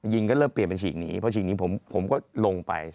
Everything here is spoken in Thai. ก็เริ่มเปลี่ยนเป็นฉีกหนีเพราะฉีกนี้ผมก็ลงไป